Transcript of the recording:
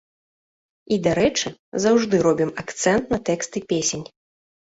І, дарэчы, заўжды робім акцэнт на тэксты песень.